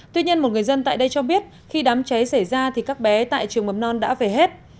tuy nhiên một người dân tại đây cho biết khi đám cháy xảy ra thì các bé tại trường mầm non đã về hết